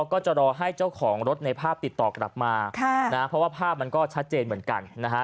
ก็จะรอให้เจ้าของรถในภาพติดต่อกลับมาเพราะว่าภาพมันก็ชัดเจนเหมือนกันนะฮะ